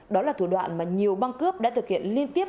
đó là thủ đoạn mà nhiều băng cướp đã thực hiện liên tiếp